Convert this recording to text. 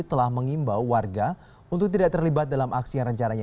telah mengimbau warga untuk tidak terlibat dalam aksi yang rencananya